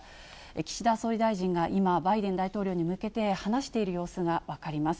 岸田総理大臣が今、バイデン大統領に向けて話している様子が分かります。